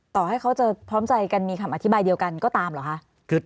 ต่อให้เขาจะพร้อมใจกันมีคำอธิบายเดียวกันก็ตามเหรอคะ